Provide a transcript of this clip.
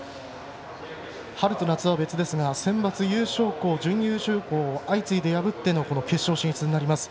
春と夏は別ですがセンバツ優勝校、準優勝校を相次いで破っての決勝進出になります。